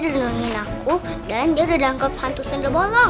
iya dia udah dengerin aku dan dia udah dangkep hantu sundelbolong